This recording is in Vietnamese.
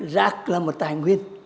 rác là một tài nguyên